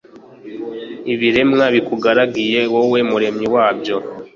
ibiremwa bikugaragiye, wowe muremyi wabyo